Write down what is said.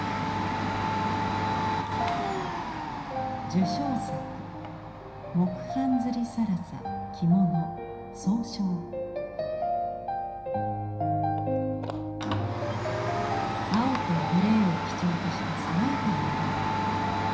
受賞作青とグレーを基調とした爽やかな色合い。